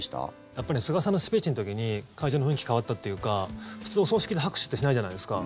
やっぱり菅さんのスピーチの時に会場の雰囲気が変わったというか普通、お葬式で拍手ってしないじゃないですか。